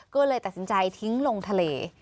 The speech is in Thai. ก็เลยตัดสินใจทิ้งลงทะเล